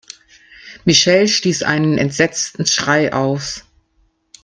Michelle stieß einen entsetzten Schrei aus.